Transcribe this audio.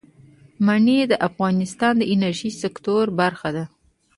منی د افغانستان د انرژۍ سکتور برخه ده.